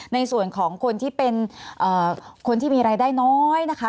ในส่วนของคนที่เป็นคนที่มีรายได้น้อยนะคะ